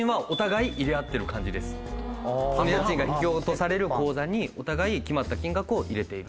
家賃が引き落とされる口座にお互い決まった金額を入れてる。